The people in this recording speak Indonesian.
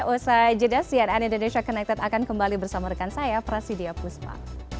usai jeda cnn indonesia connected akan kembali bersama rekan saya prasidya puspa